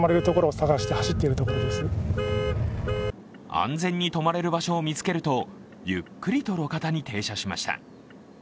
安全に止まれる場所を見つけるとゆっくりと路肩に停車しました。